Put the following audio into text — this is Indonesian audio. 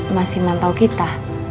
masih mantau kita